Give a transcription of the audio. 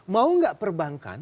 mau gak perbankan